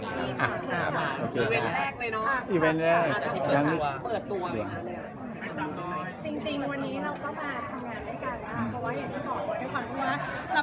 อีเวนต์แรกเลยเนาะ